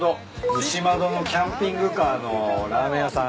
牛窓のキャンピングカーのラーメン屋さん。